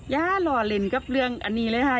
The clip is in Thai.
อย่าหล่อเล่นกับเรื่องอันนี้เลยค่ะ